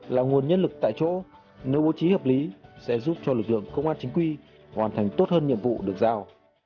là nguồn nhân lực tại chỗ nếu bố trí hợp lý sẽ giúp cho lực lượng công an chính quy hoàn thành tốt hơn nhiệm vụ được giao